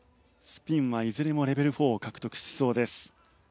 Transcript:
スピンはいずれもレベル４を獲得しそうです。